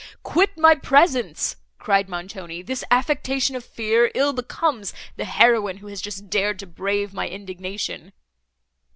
"Quit my presence!" cried Montoni. "This affectation of fear ill becomes the heroine who has just dared to brave my indignation."